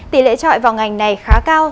tỷ lệ trọi vào ngành này khá cao